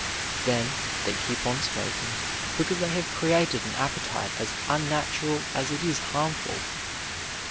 Then they keep on smoking because they have created an appetite as unnatural as it is harmful.